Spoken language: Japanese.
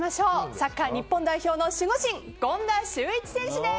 サッカー日本代表の守護神権田修一選手です！